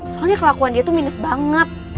soalnya kelakuan dia tuh minus banget